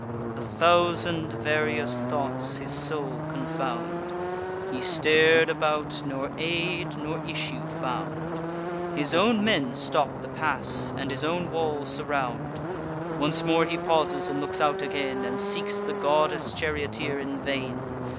A thousand various thoughts his soul confound; He star'd about, nor aid nor issue found; His own men stop the pass, and his own walls surround. Once more he pauses, and looks out again, And seeks the goddess charioteer in vain.